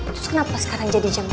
terus kenapa sekarang jadi jam tiga